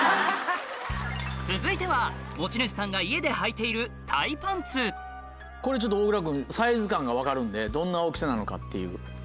続いては持ち主さんがこれちょっと大倉君サイズ感が分かるんでどんな大きさなのかっていう。